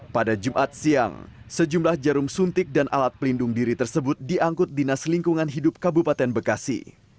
pada jumat siang sejumlah jarum suntik dan alat pelindung diri tersebut diangkut dinas lingkungan hidup kabupaten bekasi